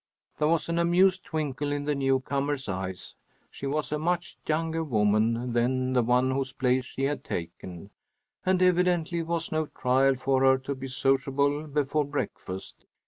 There was an amused twinkle in the newcomer's eyes. She was a much younger woman than the one whose place she had taken, and evidently it was no trial for her to be sociable before breakfast.